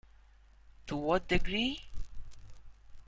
To what degree?